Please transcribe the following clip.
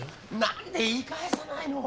なんで言い返さないの？